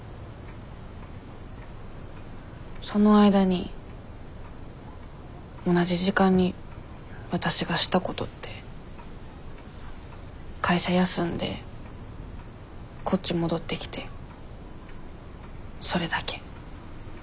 その間に同じ時間にわたしがしたことって会社休んでこっち戻ってきてそれだけ。